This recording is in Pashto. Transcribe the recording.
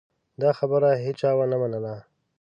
دا خبره هېچا ونه منله.